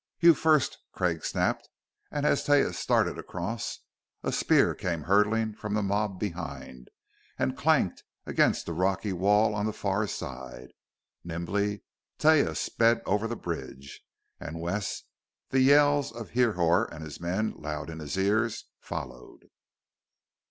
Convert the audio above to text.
"You first!" Craig snapped, and as Taia started across a spear came hurtling from the mob behind, and clanked against the rocky wall on the far side. Nimbly Taia sped over the bridge, and Wes, the yells of Hrihor and his men loud in his ears, followed.